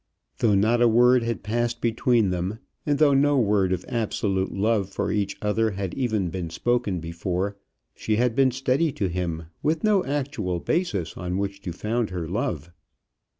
Though not a word had passed between them, and though no word of absolute love for each other had even been spoken before, she had been steady to him, with no actual basis on which to found her love.